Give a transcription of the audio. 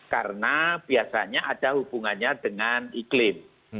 karena biasanya ada hubungannya dengan iklim